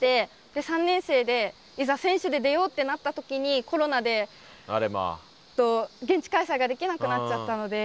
で３年生でいざ選手で出ようってなった時にコロナで現地開催ができなくなっちゃったので。